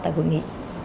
tại hội nghị